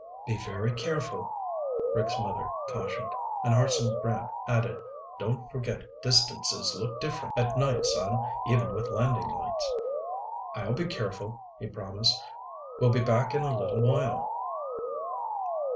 "Be very careful," Rick's mother cautioned. And Hartson Brant added, "Don't forget distances look different at night, son, even with landing lights." "I'll be careful," he promised. "We'll be back in a little while."